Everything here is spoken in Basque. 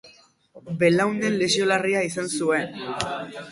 Belaunean lesio larria izan zuen.